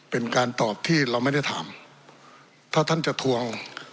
เป็นการตอบที่เราไม่ได้ถามถ้าท่านจะทวง